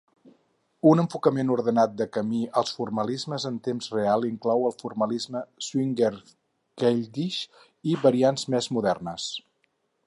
Un enfocament ordenat de camí als formalismes en temps real inclou el formalisme Schwinger-Keldysh i variants més modernes.